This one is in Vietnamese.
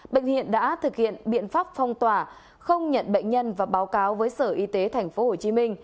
bệnh viện đã thực hiện biện pháp phong tỏa không nhận bệnh nhân và báo cáo với sở y tế tp hcm